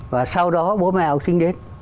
và sau đó bố mẹ học sinh đến